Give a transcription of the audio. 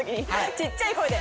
ちっちゃい声で。